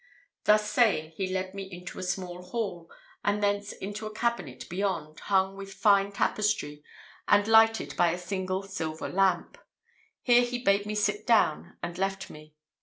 Thus saying, he led me into a small hall, and thence into a cabinet beyond, hung with fine tapestry, and lighted by a single silver lamp. Here he bade me sit down, and left me.